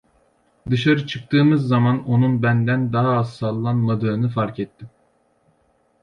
Dışarı çıktığımız zaman onun benden daha az sallanmadığını fark ettim.